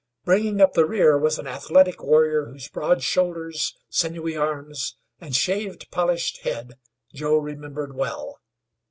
Bringing up the rear was an athletic warrior, whose broad shoulders, sinewy arms, and shaved, polished head Joe remembered well.